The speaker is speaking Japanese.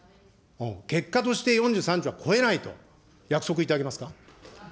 結果として４３兆は超えないと、約束いただけますか。